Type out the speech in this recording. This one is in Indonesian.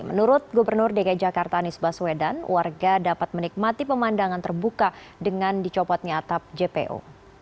menurut gubernur dki jakarta anies baswedan warga dapat menikmati pemandangan terbuka dengan dicopotnya atap jpo